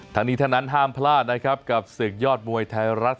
ทั้งนี้ทั้งนั้นห้ามพลาดนะครับกับศึกยอดมวยไทยรัฐ